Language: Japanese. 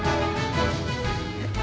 えっ？